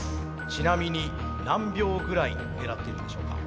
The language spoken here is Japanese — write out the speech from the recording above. ちなみに何秒ぐらい狙っているんでしょうか？